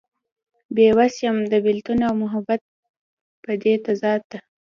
بې وس يم د بيلتون او محبت دې بد تضاد ته